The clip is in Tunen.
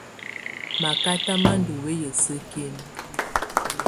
Makata má ndù wɛyà sǝ́kinǝ.